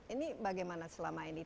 ini bagaimana selama ini